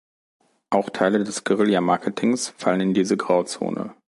Auch Teile des Guerilla-Marketings fallen in diese Grauzone.